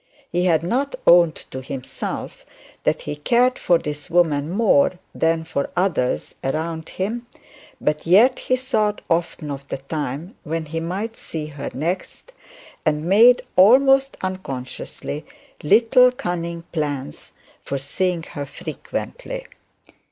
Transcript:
He had not owned to himself that he cared for this woman more than for others around him; but yet he thought often of the time when he might see her next, and made, almost unconsciously, little cunning plans for seeing her frequently.